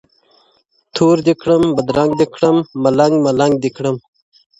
تور دي کړم بدرنگ دي کړم ملنگ ـملنگ دي کړم ـ